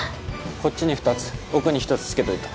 こっちに２つ奥に１つ付けといた。